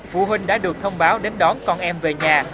phụ huynh đã được thông báo đến đón con em về nhà